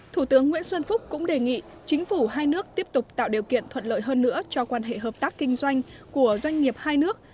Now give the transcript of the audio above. thủ tướng nguyễn xuân phúc cũng đề nghị chính phủ hai nước tiếp tục tạo điều kiện thuận lợi hơn nữa cho quan hệ hợp tác kinh doanh của doanh nghiệp hai nước